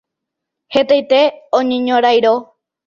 Hetaite oñeñorãirõ.